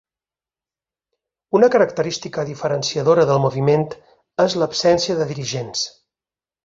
Una característica diferenciadora del moviment és l’absència de dirigents.